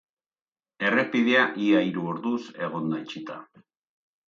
Errepidea ia hiru orduz egon da itxita.